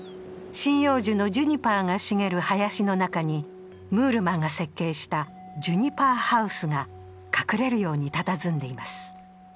針葉樹のジュニパーが茂る林の中にムールマンが設計した「ジュニパーハウス」が隠れるようにたたずんでいます。